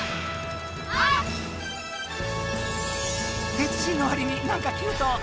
鉄人のわりになんかキュート。